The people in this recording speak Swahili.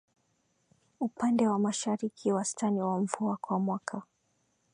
Upande wa Mashariki wastani wa mvua kwa mwaka